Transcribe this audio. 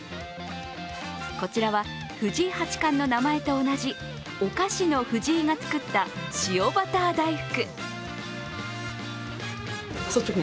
こちらは藤井八冠の名前と同じ、お菓子のふじいが作った塩バター大福。